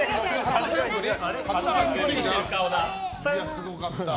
すごかった。